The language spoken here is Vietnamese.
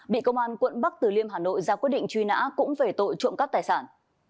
bị công an quận bắc từ liêm hà nội ra quyết định truy nã cũng về tội trộm cắp tài sản